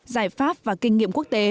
giải pháp và kinh nghiệm quốc tế